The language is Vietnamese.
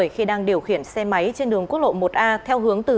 khi đang điều khiển xe máy trên đường quốc lộ một a theo hướng từ